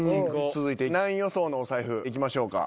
続いて何位予想のお財布いきましょうか。